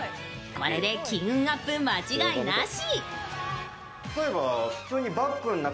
これで金運アップ間違いなし。